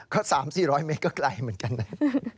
ก็๓๔๐๐เมตรก็ไกลเหมือนกันนะ